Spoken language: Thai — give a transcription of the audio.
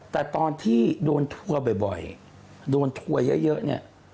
แต่ตอนที่โดนทัวร์บ่อยโดนทัวร์เยอะเนี่ย